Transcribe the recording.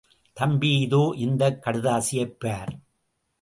தம்பி, இதோ இந்தக் கடுதாசியைப் பார்.